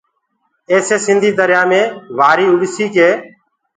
ايسي سنڌيٚ دريآ مي وآريٚ اُڏسيٚ ڪر